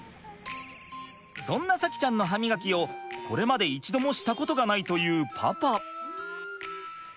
そんな咲希ちゃんの歯みがきをこれまで一度もしたことがないというパパ。